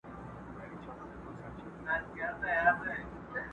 شرمنده به د پردیو مزدوران سي!.